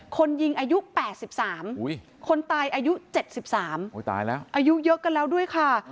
คนยิงอายุ๘๓คนตายอายุ๗๓ตายแล้วอายุเยอะกันแล้วด้วยค่ะ